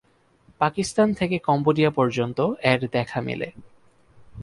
পাকিস্তান থেকে কম্বোডিয়া পর্যন্ত এর দেখা মেলে।